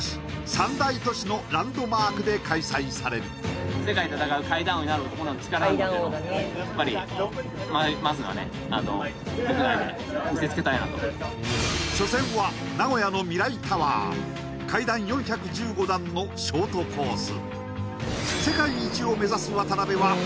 ３大都市のランドマークで開催される初戦は名古屋のＭＩＲＡＩＴＯＷＥＲ階段４１５段のショートコース